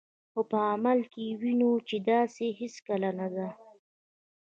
خو په عمل کې وینو چې داسې هیڅکله نه ده.